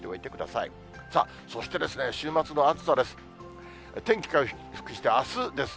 さあ、そして週末の暑さです。